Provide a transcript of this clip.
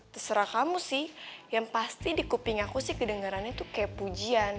terserah kamu sih yang pasti di kuping aku sih kedengarannya tuh kayak pujian